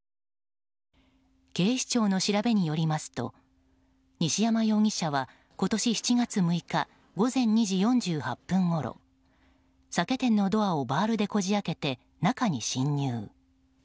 警視庁の調べによりますと西山容疑者は、今年７月６日午前２時４８分ごろ酒店のドアをバールでこじ開けて中に侵入。